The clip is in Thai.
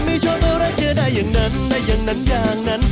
ไม่ชอบอะไรเจอได้อย่างนั้นได้อย่างนั้นอย่างนั้น